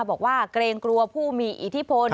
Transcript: บอกว่าเกรงกลัวผู้มีอิทธิพล